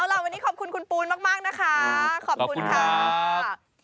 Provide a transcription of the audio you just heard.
เอาล่ะวันนี้ขอบคุณคุณปูนมากนะคะขอบคุณค่ะ